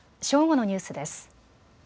正午のニュースです。